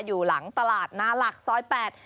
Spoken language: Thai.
อยู่หลังตลาดนาหลักซอยแปด